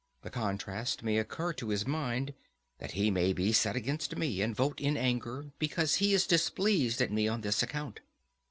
The contrast may occur to his mind, and he may be set against me, and vote in anger because he is displeased at me on this account.